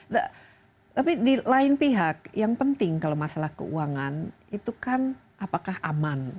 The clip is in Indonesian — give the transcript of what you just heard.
nah tapi di lain pihak yang penting kalau masalah keuangan itu kan apakah aman